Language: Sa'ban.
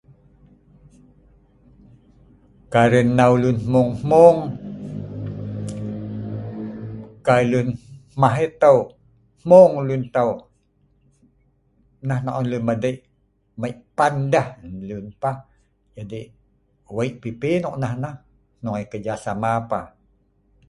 Kai arai hnau lun mung hmung kai lun hmah yeh tau hmung lun tau nah nok on lun madik mei pan deh nah lun pah jadi weik pipi nok nah neh hnung yeh kerjasama pah